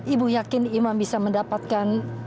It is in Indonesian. ibu yakin imam bisa mendapatkan